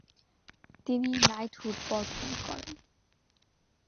তিনি নাইটহুড বর্জন করেন।